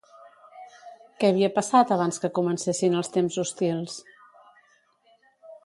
Què havia passat abans que comencessin els temps hostils?